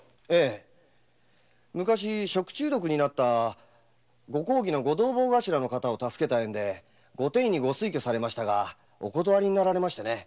昔食中毒になった御公儀の御同朋頭を助けた縁で御典医にご推挙されましたがお断りになられましてね。